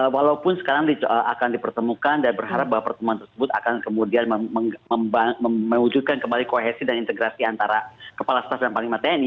walaupun sekarang akan dipertemukan dan berharap bahwa pertemuan tersebut akan kemudian mewujudkan kembali kohesi dan integrasi antara kepala staf dan panglima tni